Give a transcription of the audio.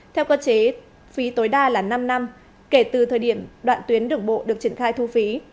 theo cơ chế phí tối đa là năm năm kể từ thời điểm đoạn tuyến đường bộ được triển khai thu phí